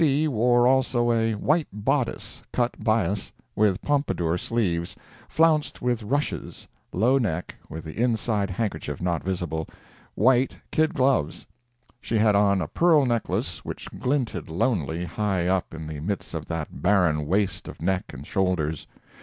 C. wore also a white bodice, cut bias, with Pompadour sleeves, flounced with ruches; low neck, with the inside handkerchief not visible; white kid gloves. She had on a pearl necklace, which glinted lonely, high up in the midst of that barren waste of neck and shoulders.